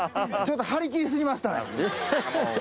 ちょっと張り切りすぎましたね。